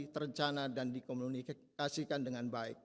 terencana dan dikomunikasikan dengan baik